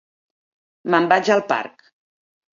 Me'n vaig al parc.